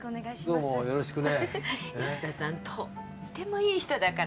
とってもいい人だから。